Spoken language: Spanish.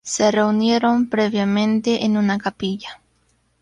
Se reunieron previamente en una capilla.